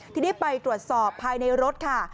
ทีนี้ไปตรวจสอบภายในรถค่ะ